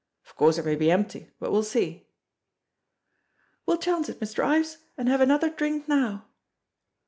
Of course it may be empty, but we'll see." "We'll chance it, Mr. Ives, and have another drink now!"